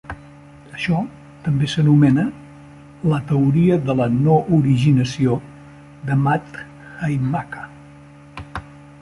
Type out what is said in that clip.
Això també s'anomena la teoria de la no-originació de Madhyamaka.